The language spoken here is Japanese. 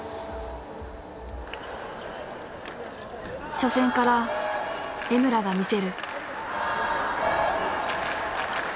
初戦から江村が見せる。